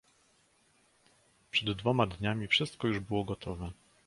"Przed dwoma dniami wszystko już było gotowe."